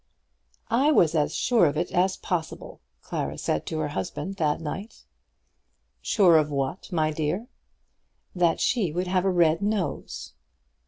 "I was as sure of it as possible," Clara said to her husband that night. "Sure of what, my dear?" "That she would have a red nose."